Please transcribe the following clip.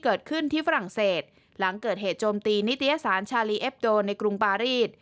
เกิดขึ้นที่ฝรั่งเศสหลังเกิดเหตุโจมตีนิตยสารชาลีเอ็บโดในกรุงปารีส